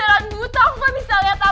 dad aku tuh belom bisa mencari